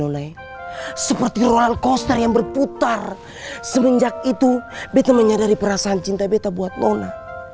oleh seperti rollercoaster yang berputar semenjak itu bete menyadari perasaan cinta beta buat nona